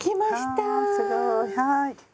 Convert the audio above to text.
はい。